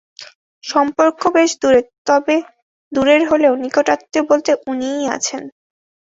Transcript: সম্পর্ক বেশ দূরের, তবের দূরের হলেও নিকট আত্মীয় বলতে উনিই আছেন।